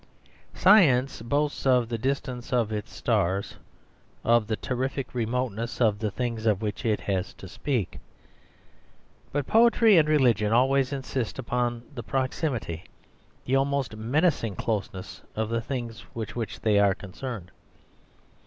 Science boasts of the distance of its stars; of the terrific remoteness of the things of which it has to speak. But poetry and religion always insist upon the proximity, the almost menacing closeness of the things with which they are concerned.